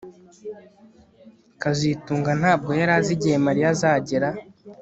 kazitunga ntabwo yari azi igihe Mariya azagera